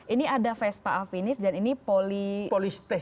ini ada vespa afinis dan ini politis